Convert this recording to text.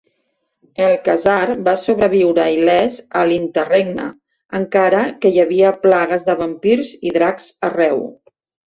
Erlkazar va sobreviure il·lès a l'Interregne, encara que hi havia plagues de vampirs i dracs arreu.